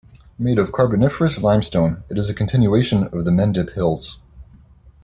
Made of Carboniferous Limestone, it is a continuation of the Mendip Hills.